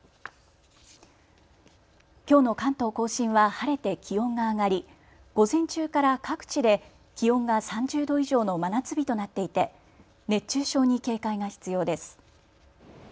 きょうの関東甲信は晴れて気温が上がり、午前中から各地で気温が３０度以上の真夏日となっいて熱中症に警戒が必要です。